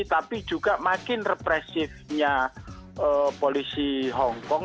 tapi juga makin represifnya polisi hong kong